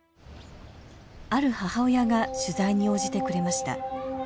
ある母親が取材に応じてくれました。